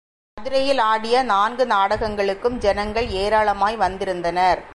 மதுரையில் ஆடிய நான்கு நாடகங்களுக்கும் ஜனங்கள் ஏராளமாய் வந்திருந்தனர்.